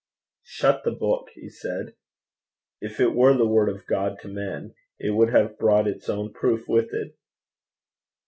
'Shut the book,' he said. 'If it were the word of God to men, it would have brought its own proof with it.'